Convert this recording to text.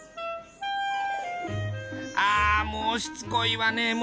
「あもうしつこいわね！